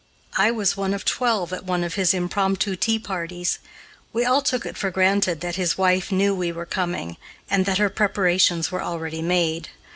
I was one of twelve at one of his impromptu tea parties. We all took it for granted that his wife knew we were coming, and that her preparations were already made.